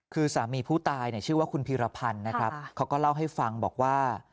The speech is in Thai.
คือสามีผู้ตายเนี่ยชื่อว่าคุณพีรพันธ์นะครับเขาก็เล่าให้ฟังบอกว่า